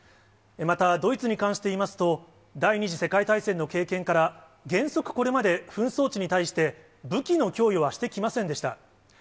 またドイツに関していいますと、第２次世界大戦の経験から、原則、これまで紛争地に対して、武器の供与はしてきませんでした。